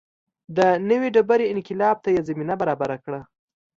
د نوې ډبرې انقلاب ته یې زمینه برابره کړه.